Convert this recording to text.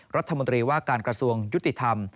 รัฐมนตรีว่าการกระทรวงยุติธรรม